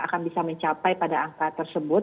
akan bisa mencapai pada angka tersebut